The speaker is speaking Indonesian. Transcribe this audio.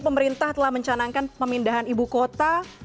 pemerintah telah mencanangkan pemindahan ibu kota